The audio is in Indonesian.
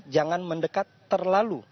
jangan mendekat terlalu